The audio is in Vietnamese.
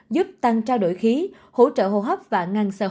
giúp tăng trao đổi khí hỗ trợ hồ hấp và ngăn sơ hóa phổi